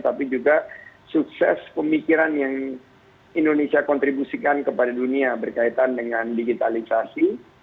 tapi juga sukses pemikiran yang indonesia kontribusikan kepada dunia berkaitan dengan digitalisasi